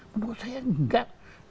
menurut saya enggak